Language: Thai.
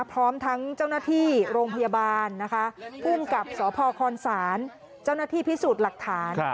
พร้อมทั้งเจ้าหน้าที่โรงพยาบาลคุ้มกับสทธิพิสูจน์หลักฐาน